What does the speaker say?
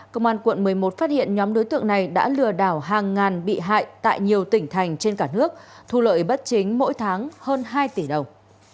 công an quận một mươi một phát hiện nhóm đối tượng này đã lừa đảo hàng ngàn bị hại tại nhiều tỉnh thành trên cả nước thu lợi bất chính mỗi tháng hơn hai tỷ đồng